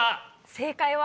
正解は。